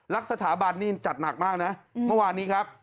สถาบันนี่จัดหนักมากนะเมื่อวานนี้ครับ